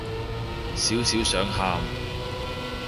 少少想喊